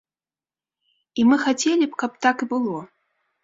І мы хацелі б, каб так і было.